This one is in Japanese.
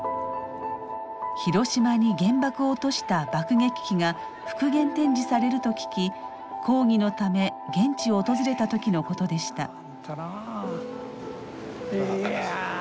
広島に原爆を落とした爆撃機が復元展示されると聞き抗議のため現地を訪れた時のことでした。